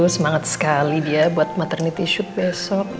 semangat sekali dia buat maternity shop besok